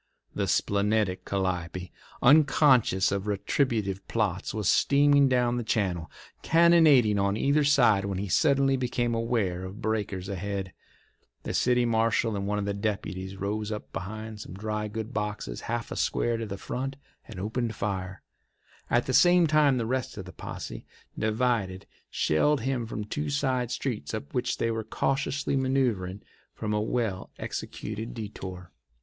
The splenetic Calliope, unconscious of retributive plots, was steaming down the channel, cannonading on either side, when he suddenly became aware of breakers ahead. The city marshal and one of the deputies rose up behind some dry goods boxes half a square to the front and opened fire. At the same time the rest of the posse, divided, shelled him from two side streets up which they were cautiously manoeuvring from a well executed detour.